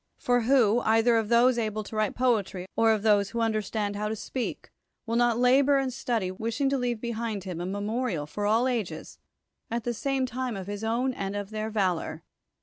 For who, either of those able to write poetry, or of those who understand how to speak, will not labor and study, wishing to leave behind him a memorial for all ages, at the same time of his own intellect and of their valor